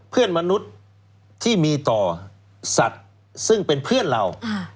เพื่อนมนุษย์ที่มีต่อสัตว์ซึ่งเป็นเพื่อนเรา